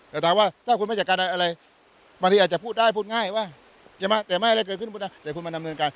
แต่ถามว่าถ้าคุณไม่จัดการอะไรบางทีอาจจะพูดได้พูดง่ายว่าใช่ไหมแต่ไม่อะไรเกิดขึ้นก็ได้แต่คุณมาดำเนินการ